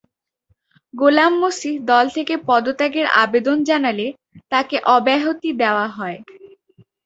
গোলাম মসিহ দল থেকে পদত্যাগের আবেদন জানালে তাঁকে অব্যাহতি দেওয়া হয়।